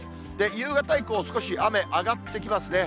夕方以降、少し雨上がってきますね。